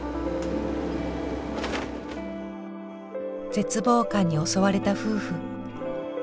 絶望感に襲われた夫婦。